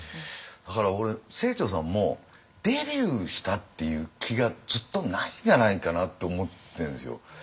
だから俺清張さんもデビューしたっていう気がずっとないんじゃないかなって思ってるんですよ。